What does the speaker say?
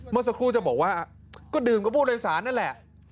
เมื่อสักครู่จะบอกว่าก็ดื่มกับผู้โดยสารนั่นแหละ